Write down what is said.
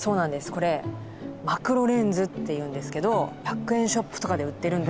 これ「マクロレンズ」っていうんですけど１００円ショップとかで売ってるんですよ。